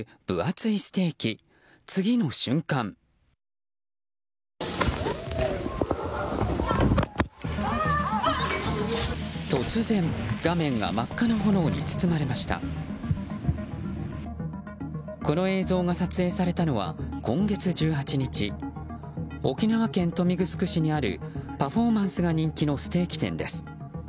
この映像が撮影されたのは今月１８日沖縄県豊見城市にあるパフォーマンスが人気のステーキ店です。